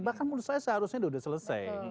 bahkan menurut saya seharusnya sudah selesai